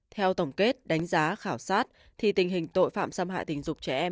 theo tổng kết đánh giá khảo sát tình hình tội phạm xâm hại tình dục trẻ em